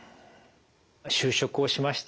就職をしました。